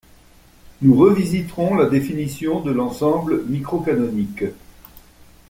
nous revisiterons la définition de l'ensemble microcanonique